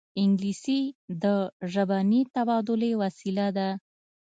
انګلیسي د ژبني تبادلې وسیله ده